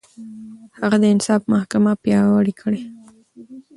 هغه د انصاف محکمه پياوړې کړه.